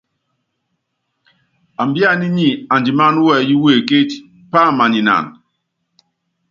Ambíaná nyi andimáná wɛyí wekétí, pámaninan.